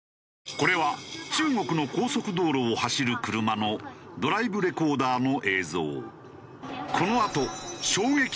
これは中国の高速道路を走る車のドライブレコーダーの映像。